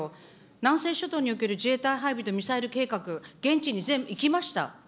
南西諸島における自衛隊配備とミサイル、現地に行きました。